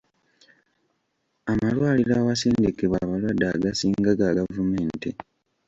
Amalwaliro awasindikibwa abalwadde agasinga ga gavumenti.